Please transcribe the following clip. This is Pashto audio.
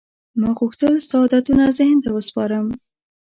ما غوښتل ستا عادتونه ذهن ته وسپارم.